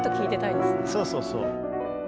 そうそうそう。